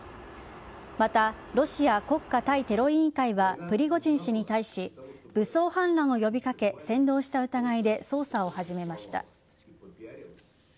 また、ロシア国家対テロ委員会はプリゴジン氏に対し武装反乱を呼び掛け扇動した疑いで捜査を始めました。